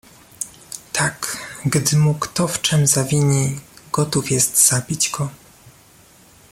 "tak, gdy mu kto w czem zawini, gotów jest zabić go."